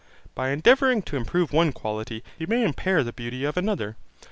By endeavouring to improve one quality, he may impair the beauty of another.